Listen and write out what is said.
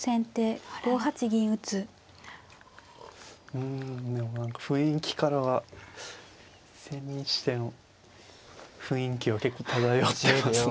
うんでも何か雰囲気からは千日手の雰囲気は結構漂ってますね。